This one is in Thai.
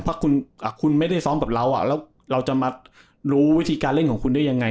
ถ้าคุณไม่ได้ซ้อมกับเราแล้วเราจะมารู้วิธีการเล่นของคุณได้ยังไง